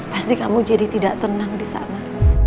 pasti kamu jadi tidak tenang disana